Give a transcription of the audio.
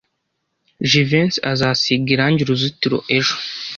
Jivency azasiga irangi uruzitiro ejo.